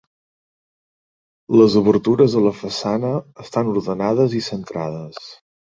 Les obertures de la façana estan ordenades i centrades.